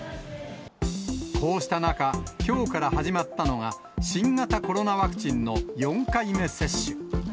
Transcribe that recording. こうした中、きょうから始まったのが、新型コロナワクチンの４回目接種。